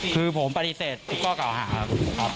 คือผมปฏิเสธทุกข้อเก่าหาครับ